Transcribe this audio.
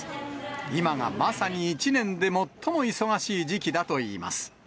今がまさに、一年で最も忙しい時期だといいます。